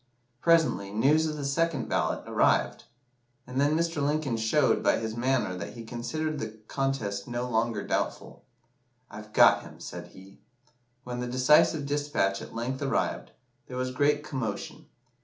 Presently, news of the second ballot arrived, and then Mr. Lincoln showed by his manner that he considered the contest no longer doubtful. 'I've got him,' said he. When the decisive despatch at length arrived, there was great commotion.